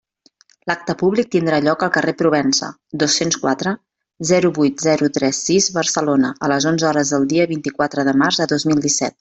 L'acte públic tindrà lloc al carrer Provença, dos-cents quatre, zero vuit zero tres sis Barcelona, a les onze hores del dia vint-i-quatre de març de dos mil disset.